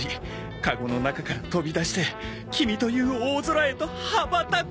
カゴの中から飛び出してキミという大空へと羽ばたく！